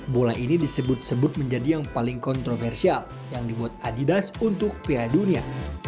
bola ini disebut sebut menjadi yang paling kontroversial yang dibuat adidas untuk piala dunia